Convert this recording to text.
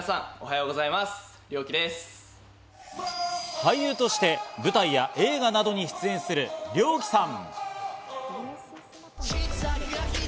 俳優として舞台や映画などに出演するリョウキさん。